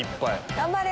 頑張れ！